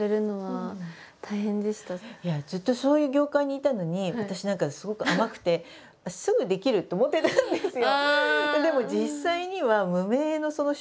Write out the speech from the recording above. ずっとそういう業界にいたのに私何かすごく甘くてすぐできると思ってたんですよ。